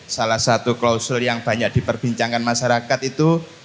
salah satu klausul yang banyak diperbincangkan masyarakat itu